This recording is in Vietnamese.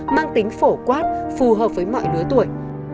mang tính phổ quát phù hợp với mọi lứa tuổi